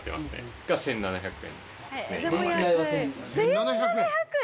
１７００円！？